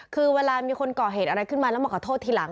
คือเวลามีคนก่อเหตุอะไรขึ้นมาแล้วมาขอโทษทีหลัง